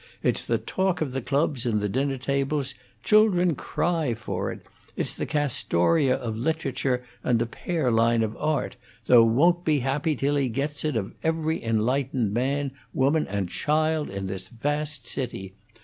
It's the talk of the clubs and the dinner tables; children cry for it; it's the Castoria of literature and the Pearline of art, the 'Won't be happy till he gets it of every enlightened man, woman, and child in this vast city.